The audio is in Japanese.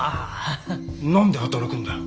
何で働くんだ？